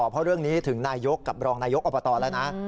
เพราะเรื่องนี้ถึงนายกกับรองนายกอบตแล้วนะ